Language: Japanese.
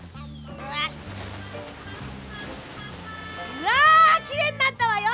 うわきれいになったわよ！